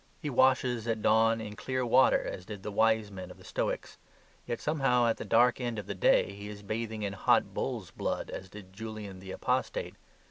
He washes at dawn in clear water as did the Wise Man of the Stoics, yet, somehow at the dark end of the day, he is bathing in hot bull's blood, as did Julian the Apostate.